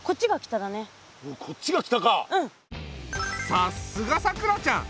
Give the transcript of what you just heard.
さすがさくらちゃん。